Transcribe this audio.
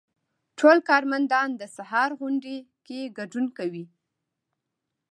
ټول کارمندان د سهار غونډې کې ګډون کوي.